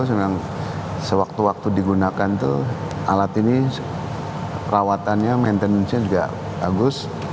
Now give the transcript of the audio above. sedang sewaktu waktu digunakan itu alat ini perawatannya maintenance nya juga bagus